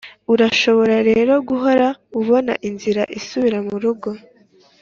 urashobora rero guhora ubona inzira isubira murugo.